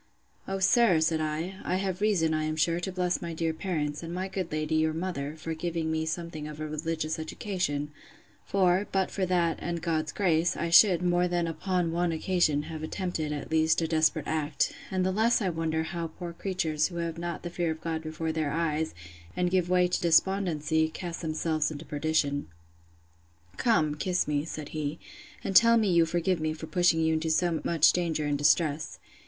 O sir, said I, I have reason, I am sure, to bless my dear parents, and my good lady, your mother, for giving me something of a religious education; for, but for that, and God's grace, I should, more than upon one occasion, have attempted, at least, a desperate act: and I the less wonder how poor creatures, who have not the fear of God before their eyes, and give way to despondency, cast themselves into perdition. Come, kiss me, said he, and tell me you forgive me for pushing you into so much danger and distress.